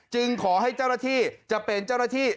ขอให้เจ้าหน้าที่จะเป็นเจ้าหน้าที่